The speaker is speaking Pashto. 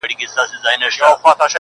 تا هم لوښی د روغن دی چپه کړی؟.!